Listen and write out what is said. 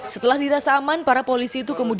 setelah dirasa aman para polisi itu kemudian